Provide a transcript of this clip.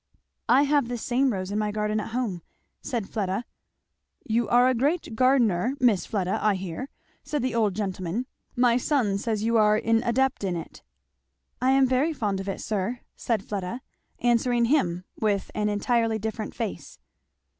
"I have this same rose in my garden at home," said Fleda. "You are a great gardener, Miss Fleda, I hear," said the old gentleman. "My son says you are an adept in it." "I am very fond of it, sir," said Fleda, answering him with an entirely different face.